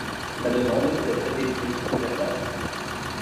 La demande peut être écrite ou verbale.